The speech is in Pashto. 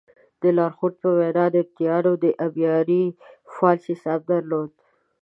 د لارښود په وینا نبطیانو د ابیارۍ فعال سیسټم درلود.